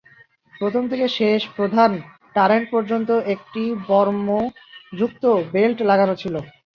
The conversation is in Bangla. প্রথম থেকে শেষ প্রধান টারেট পর্যন্ত একটি বর্মযুক্ত বেল্ট লাগানো ছিল।